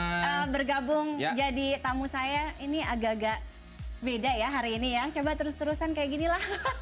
oke bergabung jadi tamu saya ini agak agak beda ya hari ini ya coba terus terusan kayak ginilah